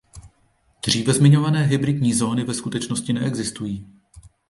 Dříve zmiňované hybridní zóny ve skutečnosti neexistují.